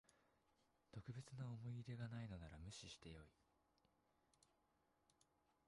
特別な思い入れがないのなら無視してよい